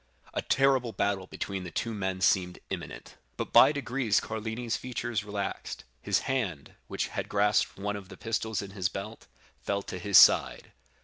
A terrible battle between the two men seemed imminent; but by degrees Carlini's features relaxed, his hand, which had grasped one of the pistols in his belt, fell to his side.